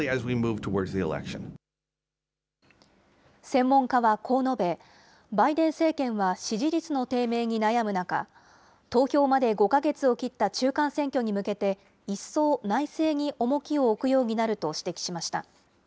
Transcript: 専門家はこう述べ、バイデン政権は支持率の低迷に悩む中、投票まで５か月を切った中間選挙に向けて、一層内政に重きを置くようになると指摘しました。